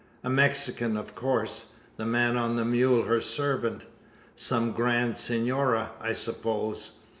"A Mexican, of course; the man on the mule her servant. Some grand senora, I suppose?